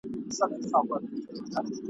چي دوستان راسره نه وي زه په څشي به پایېږم !.